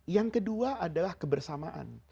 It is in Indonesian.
yang kedua adalah kebersamaan